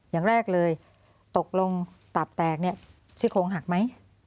อย่างแรกเลยตกลงตับแตกเนี่ยซี่โครงหักไหม